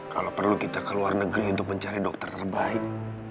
kalau perlu kita keluar negeri untuk mencari dokter terbaik